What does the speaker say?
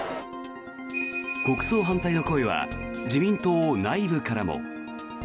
国葬反対の声は自民党内部からも。